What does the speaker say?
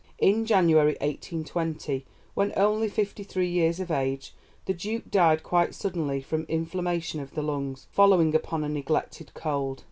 In January 1820, when only fifty three years of age, the Duke died quite suddenly from inflammation of the lungs, following upon a neglected cold.